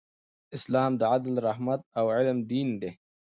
اسلام د عدل، رحمت او علم دین دی.